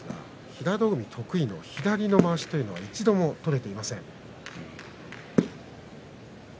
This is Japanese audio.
平戸海、得意の左のまわしというのは一度も取れていません。